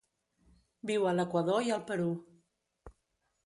Viu a l'Equador i el Perú.